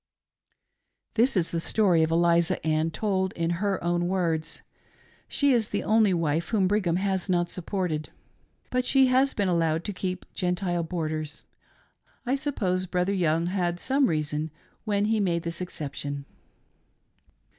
This is the story of Eliza Ann — told in her own words. She is the only wife whom Brigham has not supported ; but she has been allowed to keep Gentile boarders. I suppose Brother Young had some reason when he made this exception.